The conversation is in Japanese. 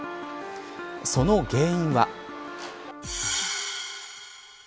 その原因は。